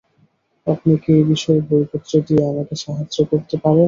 আপনি কি এই বিষয়ে বইপত্র দিয়ে আমাকে সাহায্য করতে পারেন?